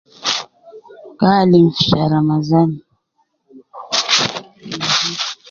Gaa alim fi shar ramadhan